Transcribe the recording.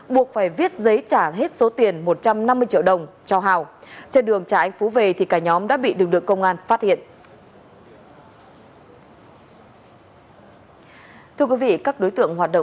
buộc phải viết giấy trả hết số tiền một trăm năm mươi triệu đồng cho hảo